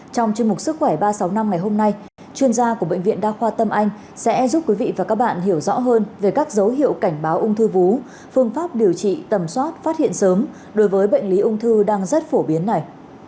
trong chương mục sức khỏe ba trăm sáu mươi năm ngày hôm nay chuyên gia của bệnh viện đa khoa tâm anh sẽ giúp quý vị và các bạn hiểu rõ hơn về các dấu hiệu cảnh báo ung thư vú phương pháp điều trị tầm soát phát hiện sớm đối với bệnh lý ung thư đang rất phổ biến này